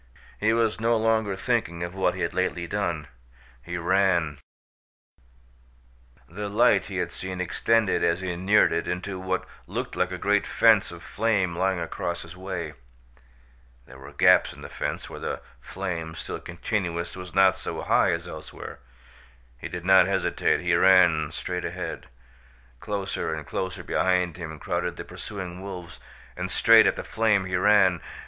He was no longer thinking of what he had lately done. He ran. [Illustration: WITH A GREAT LEAP HE WENT AT AND THROUGH THE CURLING CREST OF THE YELLOW FLAME] The light he had seen extended as he neared it into what looked like a great fence of flame lying across his way. There were gaps in the fence where the flame, still continuous, was not so high as elsewhere. He did not hesitate. He ran straight ahead. Closer and closer behind him crowded the pursuing wolves, and straight at the flame he ran.